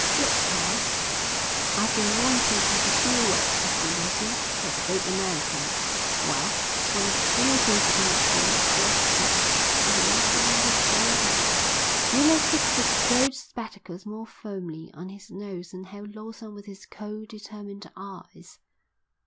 "Look here, I've been wanting to have a few words with you, Lawson," said the big American. "Well, that's one of the few things you can have free, gratis, and for nothing on this damned island." Miller fixed his gold spectacles more firmly on his nose and held Lawson with his cold determined eyes.